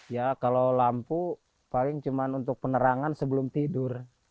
ya kalau lampu paling cuma untuk penerangan sebelum tidur